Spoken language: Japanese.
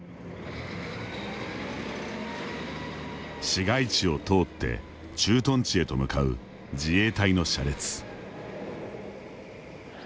市街地を通って駐屯地へと向かう自衛隊の車列。